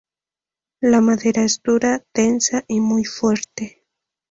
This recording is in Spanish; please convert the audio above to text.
La madera es dura, densa, y muy fuerte.